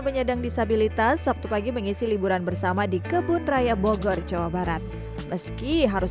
penyandang disabilitas sabtu pagi mengisi liburan bersama di kebun raya bogor jawa barat meski harus